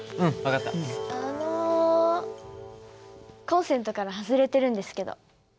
コンセントから外れてるんですけど。